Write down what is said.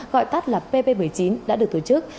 gọi tắt là pp một mươi chín đã được tổ chức